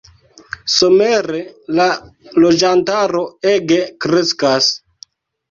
Somere la loĝantaro ege kreskas.